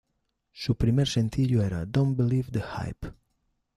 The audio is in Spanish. Su primer sencillo era "Don't Believe the Hype".